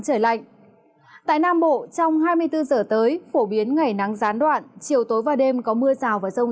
trời lạnh tại nam bộ trong hai mươi bốn giờ tới phổ biến ngày nắng gián đoạn chiều tối và đêm có mưa rào và rông